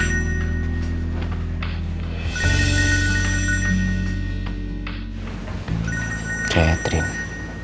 aku udah selesai berbicara sama dia